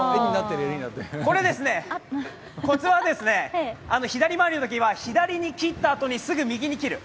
こちら、左回りのときは左に切ったあとに、すぐ右に切る。